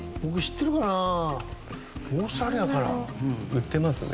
売ってますね。